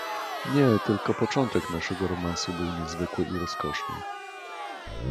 "Nie, tylko początek naszego romansu był niezwykły i rozkoszny."